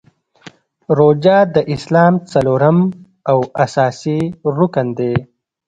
روژه د اسلام څلورم او اساسې رکن دی .